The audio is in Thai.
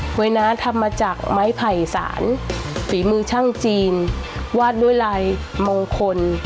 วยน้ำทำมาจากไม้ไผ่สารฝีมือช่างจีนวาดด้วยลายมงคล